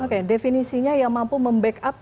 oke definisinya yang mampu membackup